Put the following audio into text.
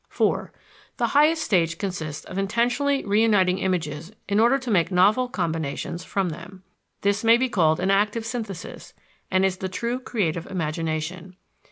4. The highest stage consists of intentionally reuniting images in order to make novel combinations from them. This may be called an active synthesis, and is the true creative imagination.